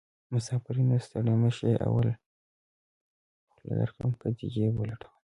مسافرۍ نه ستړی مشې اول خوله درکړم که دې جېب ولټومه